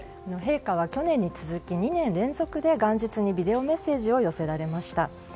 陛下は去年に続き２年連続で元日にビデオメッセージを寄せられました。